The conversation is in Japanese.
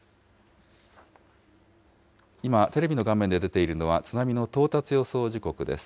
今、テレビの画面で出ているのは、津波の到達予想時刻です。